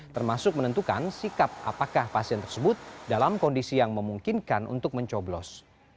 termasuk menentukan sikap apakah pasien tersebut dalam kondisi yang memungkinkan untuk mencoblos